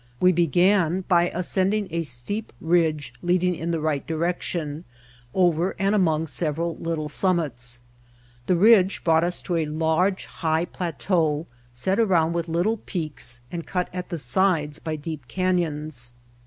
We began by ascending a steep ridge leading in the right direction, over and among several little summits. The ridge brought us to a large, high plateau set round with little peaks and cut at the sides by deep canyons.